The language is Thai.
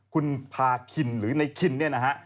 คุณพาคินหรือในคินเนี่ยนะฮะ